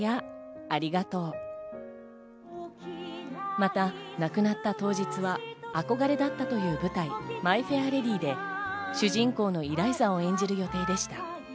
また、亡くなった当日は憧れだったという舞台『マイ・フェア・レディ』で主人公のイライザを演じる予定でした。